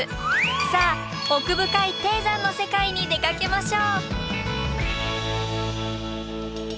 さあ奥深い低山の世界に出かけましょう。